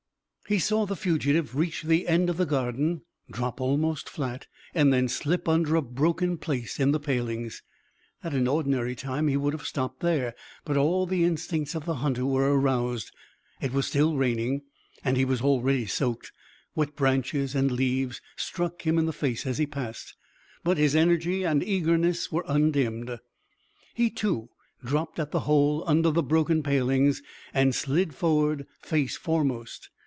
He saw the fugitive reach the end of the garden, drop almost flat, and then slip under a broken place in the palings. At an ordinary time he would have stopped there, but all the instincts of the hunter were aroused. It was still raining, and he was already soaked. Wet branches and leaves struck him in the face as he passed, but his energy and eagerness were undimmed. He, too, dropped at the hole under the broken palings and slid forward face foremost.